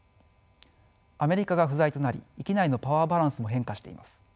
アメリカが不在となり域内のパワーバランスも変化しています。